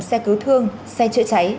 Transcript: xe cứu thương xe chữa cháy